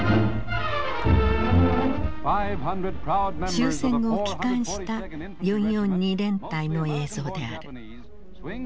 終戦後帰還した４４２連隊の映像である。